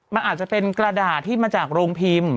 มันอาจจะเป็นกระดาษที่มาจากโรงพิมพ์